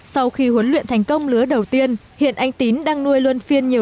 sau khi huấn luyện thành công lứa đầu tiên hiện anh tín đang nuôi luôn phiên nhiều